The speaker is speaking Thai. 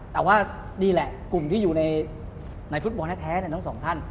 แต่ว่านี่แหละกลุ่มที่อยู่ในฟุตบอลแท้ทั้งสองท่าน